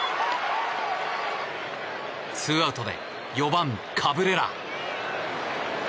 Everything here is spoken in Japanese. ツーアウトで４番、カブレラ。